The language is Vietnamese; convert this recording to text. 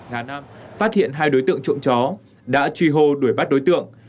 hà nam phát hiện hai đối tượng trộm chó đã truy hô đuổi bắt đối tượng